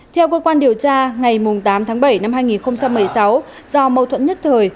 theo cơ quan điều tra ngày tám tháng bảy năm hai nghìn một mươi sáu do mâu thuẫn nhất thời